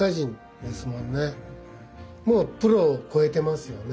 もうプロを超えてますよね。